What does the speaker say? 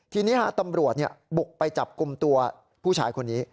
ทีนี้ตำรวจบุกไปจับกลุ่มตัวผู้ชายคนนี้